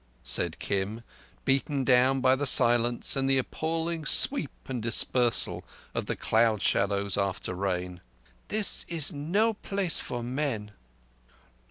said Kim, beaten down by the silence and the appalling sweep and dispersal of the cloud shadows after rain. "This is no place for men!"